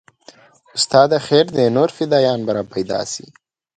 استاده خير دى نور فدايان به راپيدا سي.